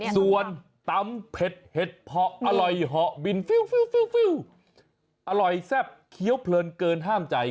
ส่วนตำเผ็ดเห็ดเพาะอร่อยเหาะบินฟิวอร่อยแซ่บเคี้ยวเพลินเกินห้ามใจ